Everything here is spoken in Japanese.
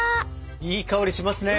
いい香りしますね！